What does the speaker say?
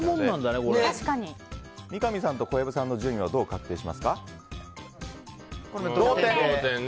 三上さんと小籔さんの順位はどう確定しますか。